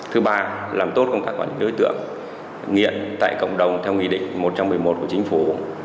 thứ ba làm tốt công tác quản lý đối tượng nghiện tại cộng đồng theo nghị định một trăm một mươi một của chính phủ